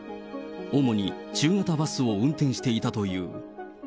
主に中型バスを運転していたという。